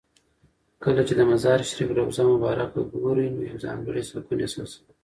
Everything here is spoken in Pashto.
کله چې د مزار شریف روضه مبارکه ګورې نو یو ځانګړی سکون احساسوې.